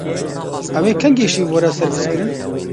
Ew ê kengî şîv were servîskirin?